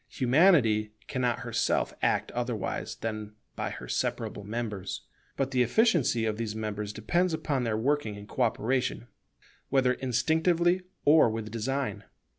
Humanity cannot herself act otherwise than by her separable members; but the efficiency of these members depends upon their working in co operation, whether instinctively or with design.